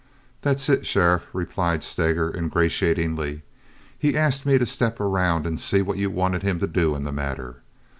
"That's it, Sheriff," replied Steger, ingratiatingly. "He asked me to step around and see what you wanted him to do in the matter.